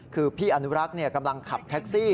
คือพี่อนุรักษ์กำลังขับแท็กซี่